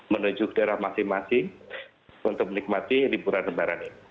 menuju ke daerah masing masing untuk menikmati liburan lebaran ini